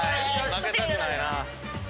負けたくないな。